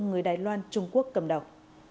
người đài loan trung quốc cầm đọc